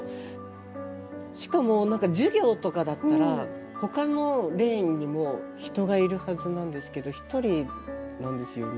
しかも授業とかだったら他のレーンにも人がいるはずなんですけどひとりなんですよね。